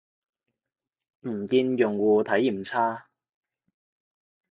唔見用戶體驗差